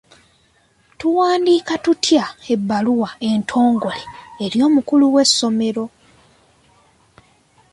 Tuwandiika tutya ebbaluwa entongole eri omukulu w'essomero?